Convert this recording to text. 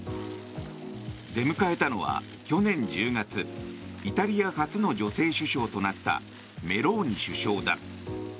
出迎えたのは去年１０月イタリア初の女性首相となったメローニ首相だ。